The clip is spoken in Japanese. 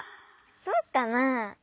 そうかなあ？